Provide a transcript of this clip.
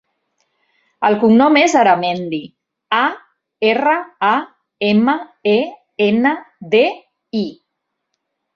El cognom és Aramendi: a, erra, a, ema, e, ena, de, i.